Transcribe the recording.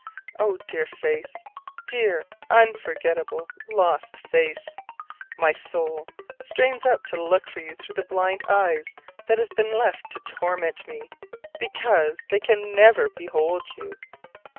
Oh, dear face, dear unforgettable lost face, my soul strains up to look for you through the blind eyes that have been left to torment me because they can never behold you.